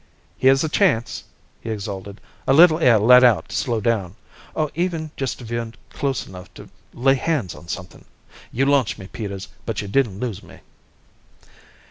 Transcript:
"Here's the chance!" he exulted. "A little air let out to slow down ... or even just to veer close enough to lay hands on something! You launched me, Peters, but you didn't lose me."